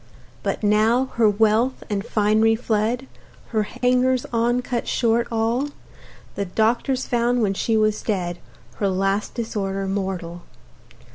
But now, her wealth and finery fled, Her hangers on cut short all; The doctors found, when she was dead Her last disorder mortal.